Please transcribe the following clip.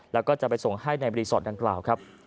แล้วก็จะไปส่งให้ในรีสอร์ทดังกล่าวครับ